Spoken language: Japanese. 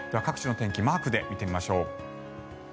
各地の天気をマークで見てみましょう。